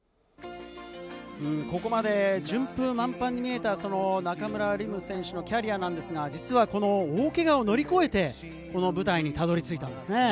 ここまで順風満帆に見えた中村輪夢選手のキャリアなんですが、実は大けがを乗り越えてこの舞台にたどり着いたんですね。